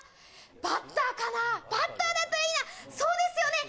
バッターかなバッターだといいなそうですよね